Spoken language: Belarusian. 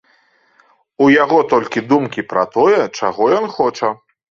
У яго толькі думкі пра тое, чаго ён хоча.